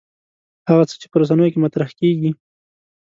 هغه څه چې په رسنیو کې مطرح کېږي.